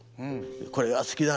これは好きだ。